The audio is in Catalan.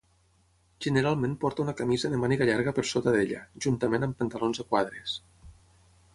Generalment porta una camisa de màniga llarga per sota d'ella, juntament amb pantalons de quadres.